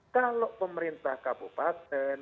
kalau pemerintah kabupaten